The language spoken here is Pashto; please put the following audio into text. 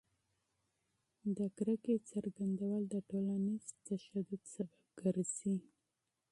د کرکې څرګندول د ټولنیز تشدد سبب ګرځي.